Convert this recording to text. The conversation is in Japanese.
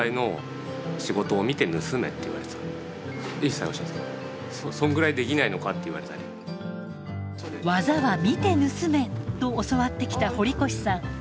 最初「技は見て盗め」と教わってきた堀越さん。